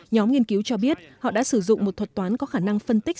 nhóm nghiên cứu cho biết họ đã sử dụng một thuật toán có khả năng phân tích